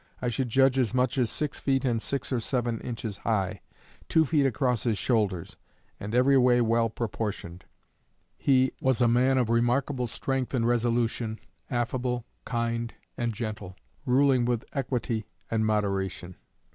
I should judge as much as six feet and six or seven inches high, two feet across his shoulders, and every way well proportioned. He as a man of remarkable strength and resolution, affable, kind and gentle, ruling with equity and moderation.